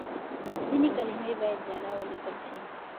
ځينې کلمې بايد جلا وليکل شي.